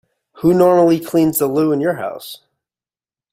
Who normally cleans the loo in your house?